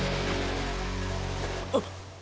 あっ。